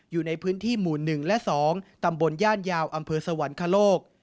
อยู่ในพื้นที่หมู่๑และ๒ตำบลย่านยาวอำเภอสวรรคโลก